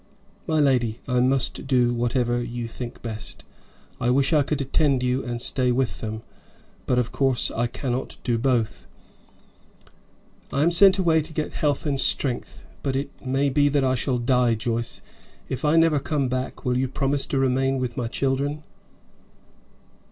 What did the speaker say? "My lady, I must do whatever you think best. I wish I could attend you and stay with them, but of course I cannot do both." "I am sent away to get health and strength, but it may be that I shall die, Joyce. If I never come back, will you promise to remain with my children?"